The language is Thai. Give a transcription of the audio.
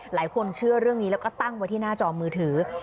หลายคนเชื่อเรื่องนี้แล้วก็ตั้งไว้ที่หน้าจอมือถือ